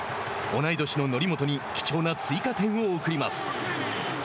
同い年の則本に貴重な追加点を送ります。